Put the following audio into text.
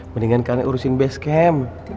mendingan kalian urusin base camp